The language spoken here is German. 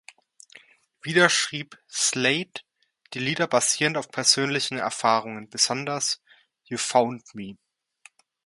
Wieder schrieb Slade die Lieder basierend auf persönlichen Erfahrungen, besonders "You Found Me".